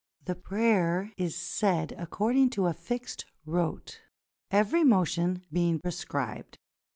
The prayer is said according to a fixed rote, every motion being prescribed.